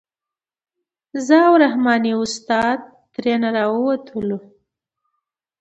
زه او رحماني استاد ترېنه راووتلو.